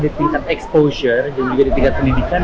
di tingkat exposure dan juga di tingkat pendidikan